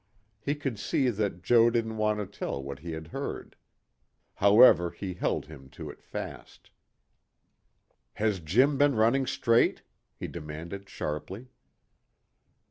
He could see that Joe didn't want to tell what he had heard. However he held him to it fast. "Has Jim been running straight?" he demanded sharply.